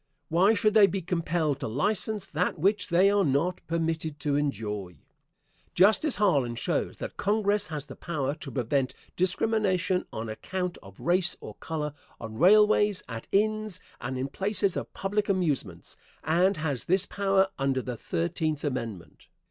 Why should they be compelled to license that which they are not permitted to enjoy? Justice Harlan shows that Congress has the power to prevent discrimination on account of race or color on railways, at inns, and in places of public amusements, and has this power under the Thirteenth Amendment.